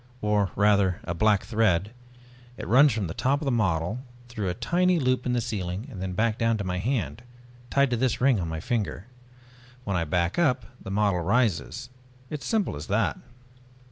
"Or rather a black thread. It runs from the top of the model, through a tiny loop in the ceiling, and back down to my hand tied to this ring on my finger. When I back up the model rises. It's as simple as that."